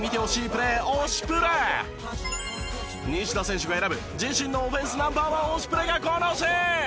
プレー西田選手が選ぶ自身のオフェンスナンバー１推しプレがこのシーン！